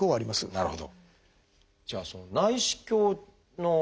なるほど。